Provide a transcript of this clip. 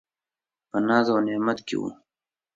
په ناز او په نعمت کي و .